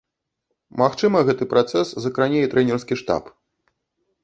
Магчыма, гэты працэс закране і трэнерскі штаб.